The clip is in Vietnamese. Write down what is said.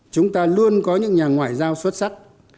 chúng ta luôn có những nhà ngoại giao xuất sắc